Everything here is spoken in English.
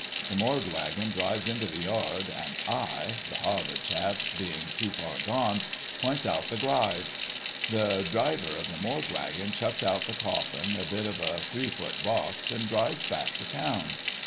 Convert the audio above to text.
The morgue wagon drives into the yard, and I—the Harvard chap being too far gone—points out the gryve. The driver of the morgue wagon chucks out the coffin, a bit of a three foot box, and drives back to town.